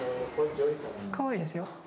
かわいいですよ。